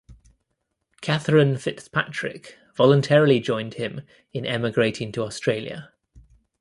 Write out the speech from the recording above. Catherine Fitzpatrick voluntarily joined him in emigrating to Australia.